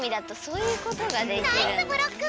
ナイスブロック！